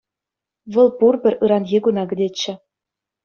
Вӑл пурпӗр ыранхи куна кӗтетчӗ.